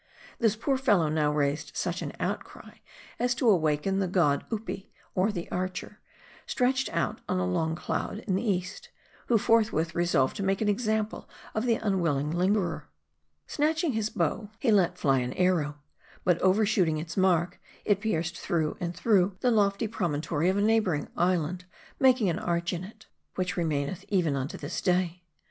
249 " This poor fellow now raised such an outcry, as to awaken the god Upi, or the Archer, stretched out on a long cloud in the East ; who forthwith resolved to make an example of the unwilling lingerer. Snatching his bow, he let fly an arrow. But overshooting its mark, it pierced through and through, the lofty promontory of a neighboring island ; making an arch in it, which remaineth even unto this day.